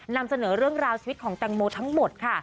นำเสนอเรื่องราวชีวิตของแตงโมทั้งหมดค่ะ